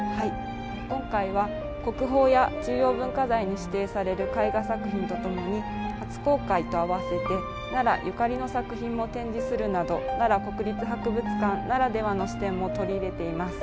今回は国宝や重要文化財に指定される絵画作品とともに初公開とあわせて奈良ゆかりの作品を展示するなど奈良国立博物館ならではの視点も取り入れています。